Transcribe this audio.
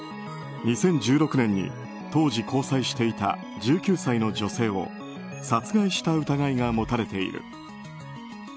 ２０１６年に当時、交際していた１９歳の女性を殺害した疑いが持たれている。